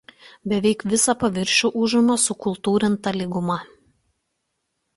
Beveik visą paviršių užima sukultūrinta lyguma.